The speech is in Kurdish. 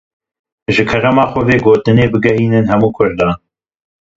Ji kerema xwe, vê gotinê bigihînin hemû Kurdan.